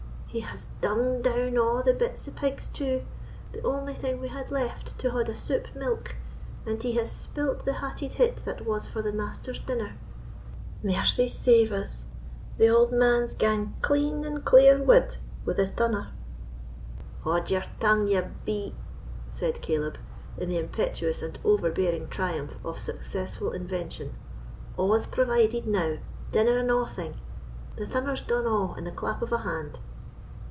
"He has dung down a' the bits o' pigs, too—the only thing we had left to haud a soup milk—and he has spilt the hatted hit that was for the Master's dinner. Mercy save us, the auld man's gaen clean and clear wud wi' the thunner!" "Haud your tongue, ye b——!" said Caleb, in the impetuous and overbearing triumph of successful invention, "a's provided now—dinner and a'thing; the thunner's done a' in a clap of a hand!"